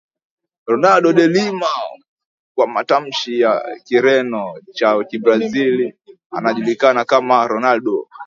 Ronaldo de Lima kwa matamshi ya Kireno cha Kibrazili anajulikana kama Ronaldo